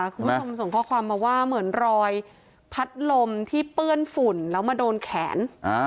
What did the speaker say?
คุณผู้ชมส่งข้อความมาว่าเหมือนรอยพัดลมที่เปื้อนฝุ่นแล้วมาโดนแขน